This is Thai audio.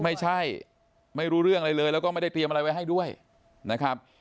ไม่รู้เรื่องอะไรเลยแล้วก็ไม่ได้เตรียมอะไรไว้ให้ด้วยนะครับ